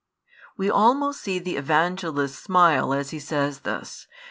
We almost see the Evangelist smile as he says this.